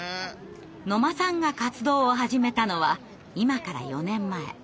野間さんが活動を始めたのは今から４年前。